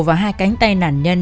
và hai cánh tay nạn nhân